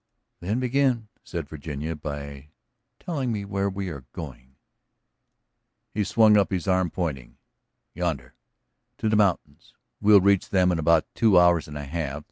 "Then begin," said Virginia, "by telling me where we are going." He swung up his arm, pointing. "Yonder. To the mountains. We'll reach them in about two hours and a half.